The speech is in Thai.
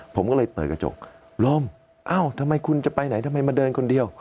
ผมก็เลยเปิดกระจกลมเอ้าทำไมคุณจะไปไหนทำไมมาเดินคนเดียว